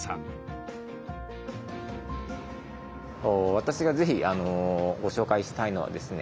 私が是非ご紹介したいのはですね